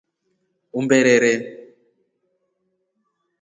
Umberee.